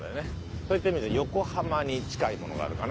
そういった意味じゃ横浜に近いものがあるかな。